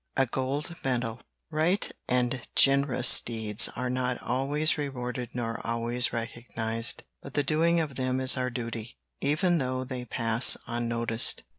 A GOLD MEDAL [Right and generous deeds are not always rewarded nor always recognized; but the doing of them is our duty, even diough they pass unnoticed.